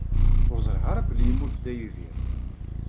Ur ẓriɣ ara belli yemmut Dda Yidir.